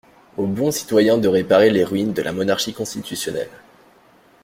Aux bons citoyens de réparer les ruines de la monarchie constitutionnelle.